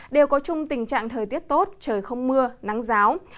đều có chung tình trạng thời tiết tốt trời không mưa nắng giáo